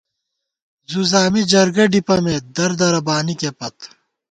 زُوزامی جرگہ ڈِپَمېت ، در دَرہ بانِکے پت